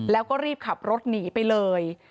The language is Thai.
แล้วก็รีบขับรถหนีไปเลย